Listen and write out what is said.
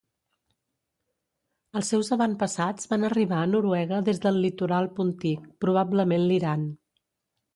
Els seus avantpassats van arribar a Noruega des del litoral Pontic, probablement l'Iran.